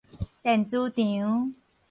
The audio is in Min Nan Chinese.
電磁場